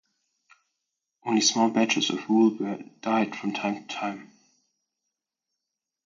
Only small batches of wool were dyed from time to time.